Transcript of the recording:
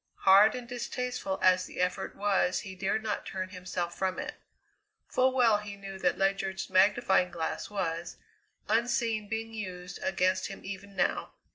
Hard and distasteful as the effort was he dared not turn himself from it. Full well he knew that Ledyard's magnifying glass was, unseen, being used against him even now.